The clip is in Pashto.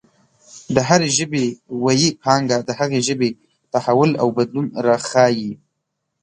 د هرې ژبې ویي پانګه د هغې ژبې تحول او بدلون راښايي.